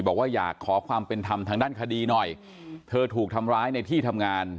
บอกว่าอยากขอความเป็นธรรมทางด้านคดีหน่อยเธอถูกทำร้ายในที่ทำงาน